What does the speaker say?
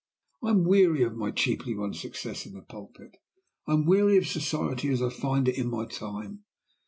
"I am weary of my cheaply won success in the pulpit. I am weary of society as I find it in my time.